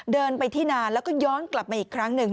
เดินไปที่นานแล้วก็ย้อนกลับมาอีกครั้งหนึ่ง